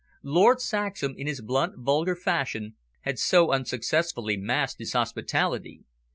Lord Saxham, in his blunt, vulgar fashion, had so unsuccessfully masked his hospitality.